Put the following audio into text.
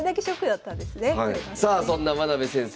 さあそんな真部先生